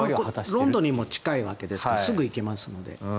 ロンドンにも近いわけですからすぐ行けますので。